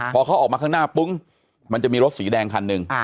พอเขาออกมาข้างหน้าปึ้งมันจะมีรถสีแดงคันหนึ่ง